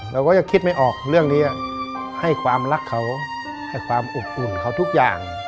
เราก็จะคิดไม่ออกเรื่องนี้ให้ความรักเขาให้ความอบอุ่นเขาทุกอย่าง